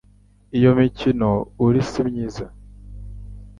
Iyo mikino uri simyiza